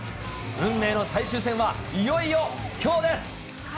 運命の最終戦は、いよいよきょうです。